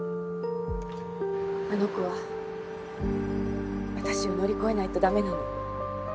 あの子は私を乗り越えないとダメなの。